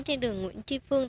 trên đường nguyễn tri phương